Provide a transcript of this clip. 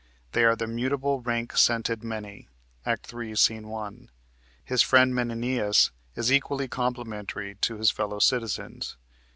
They are the "mutable, rank scented many" (Act 3, Sc. 1). His friend Menenius is equally complimentary to his fellow citizens.